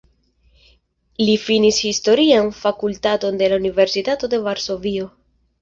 Li finis Historian Fakultaton de la Universitato de Varsovio.